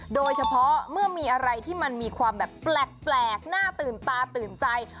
โดยเฉพาะเมื่อมีอะไรที่มันมีความแบบแปลกหน้าตื่นตาตื่นใจ